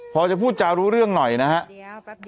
พอจะพูดจารู้เรื่องหน่อยนะครับ